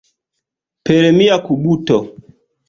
Per mia kubuto.